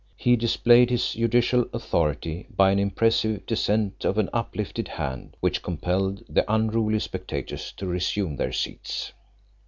He displayed his judicial authority by an impressive descent of an uplifted hand which compelled the unruly spectators to resume their seats.